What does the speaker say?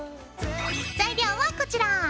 材料はこちら。